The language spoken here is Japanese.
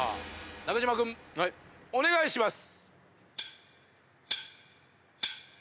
中島君お願いします！